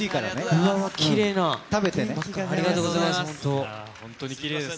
ありがとうございます。